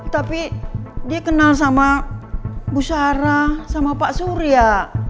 tapi dia kenal sama bu sarah sama pak surya